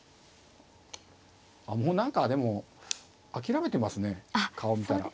あもう何かでも諦めてますね顔見たら。